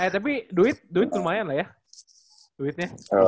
tapi duit lumayan lah ya duitnya